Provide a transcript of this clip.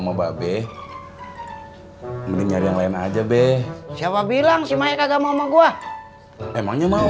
mbak be mbak be nyari yang lain aja be siapa bilang si maetat gak mau gua emangnya mau